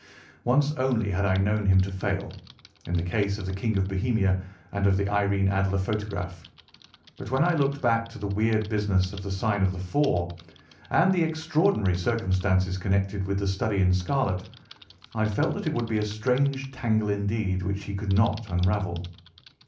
Once only had I known him to fail, in the case of the King of Bohemia and of the Irene Adler photograph; but when I looked back to the weird business of the Sign of Four, and the extraordinary circumstances connected with the Study in Scarlet, I felt that it would be a strange tangle indeed which he could not unravel.